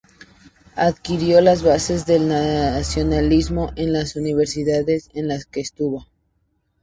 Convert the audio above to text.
Adquirió las bases del nacionalismo en las universidades en las que estuvo.